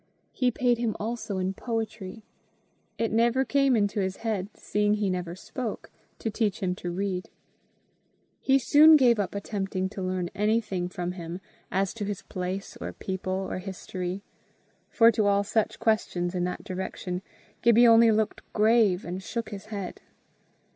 He paid him also in poetry. It never came into his head, seeing he never spoke, to teach him to read. He soon gave up attempting to learn anything from him as to his place or people or history, for to all questions in that direction Gibbie only looked grave and shook his head.